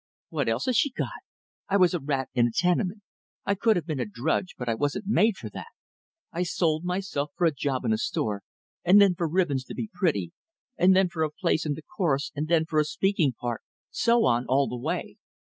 "What else has she got? I was a rat in a tenement. I could have been a drudge, but I wasn't made for that. I sold myself for a job in a store, and then for ribbons to be pretty, and then for a place in the chorus, and then for a speaking part so on all the way.